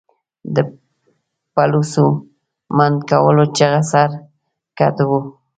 د پلوڅو، منډکول چغه سر، ګټ و